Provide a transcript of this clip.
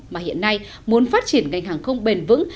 mà hiện nay muốn phát triển ngành hàng không